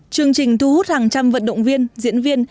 chương trình thu hút hàng trăm vận động viên diễn viên